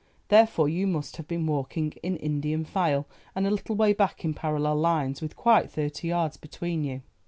Therefore you must have been walking in Indian file, and a little way back in parallel lines, with quite thirty yards between you."